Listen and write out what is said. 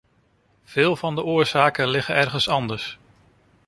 Veel van de oorzaken liggen ergens anders.